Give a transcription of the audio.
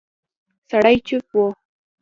سړی چوپ و.